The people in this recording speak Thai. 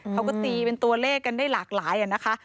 เขาก็ตีเป็นตัวเลขกันได้หลากหลายนะคะ